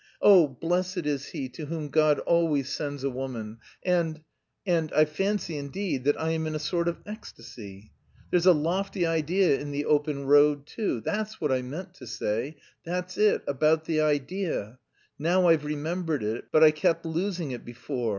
Oh, blessed is he to whom God always sends a woman and... and I fancy, indeed, that I am in a sort of ecstasy. There's a lofty idea in the open road too! That's what I meant to say, that's it about the idea. Now I've remembered it, but I kept losing it before.